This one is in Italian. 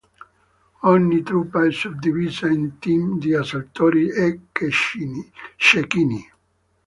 Ogni truppa è suddivisa in team di assaltatori e cecchini.